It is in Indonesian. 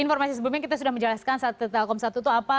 informasi sebelumnya kita sudah menjelaskan saat telkom satu itu apa